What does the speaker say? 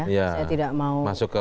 saya tidak mau masuk ke